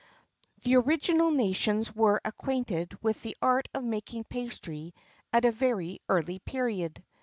The oriental nations were acquainted with the art of making pastry at a very early period.